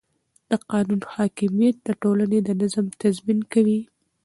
د قانون حاکمیت د ټولنې د نظم تضمین کوي